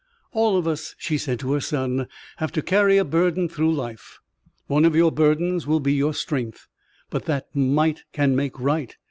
"All of us," she said to her son, "have to carry a burden through life. One of your burdens will be your strength. But that might can make right.